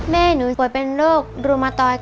แม่หนูป่วยเป็นโรครุมตอย